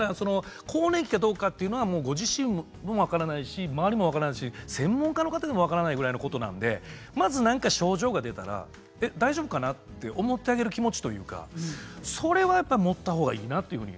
更年期かどうかというのはご自身も分からないし周りも分からないし専門家の方でも分からないぐらいのことなので何か症状が出たら大丈夫かな？と思ってあげる気持ちというかそれはやっぱり持ったほうがいいなと。